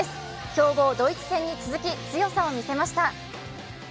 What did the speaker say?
強豪・ドイツ戦に続き、強さを見せました。